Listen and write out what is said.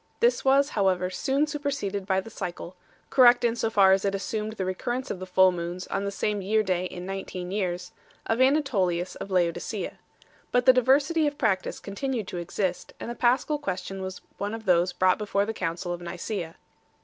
This was, however, soon superseded by the cycle correct in so far as it assumed the recurrence of the full moons on the same year day in nineteen years of Anatolius of Laodicea 2 . But diversity of practice continued to exist, arid the Paschal question was one of those brought before the Council of Nicsea.